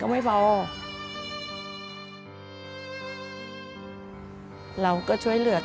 แต่ไม่เดี๋ยวแม่ธุรกิจนึง